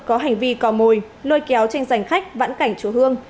có hành vi cò mồi lôi kéo tranh giành khách vãn cảnh chúa hương